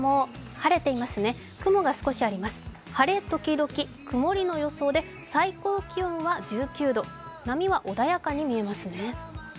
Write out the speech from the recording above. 晴れ時々曇りの予想で最高気温は１９度波は穏やかに見えますね。